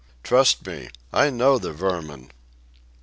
Trust me. I know the vermin."